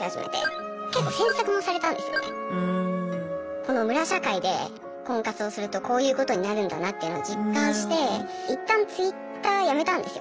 このムラ社会で婚活をするとこういうことになるんだなっていうのを実感して一旦Ｔｗｉｔｔｅｒやめたんですよ。